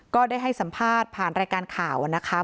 ก็ได้ให้สัมภาษณ์ผ่านรายการข่าวนะคะ